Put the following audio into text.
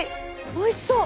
おいしそう！